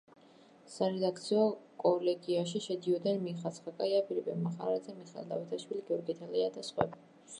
სარედაქციო კოლეგიაში შედიოდნენ მიხა ცხაკაია, ფილიპე მახარაძე, მიხეილ დავითაშვილი, გიორგი თელია და სხვები.